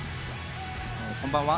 こんばんは。